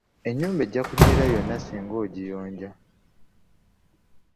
Ennyumba ejja kunyirira yonna singa mugiyonja.